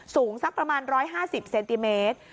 สูงสักประมาณ๑๕๐เซนติเมตร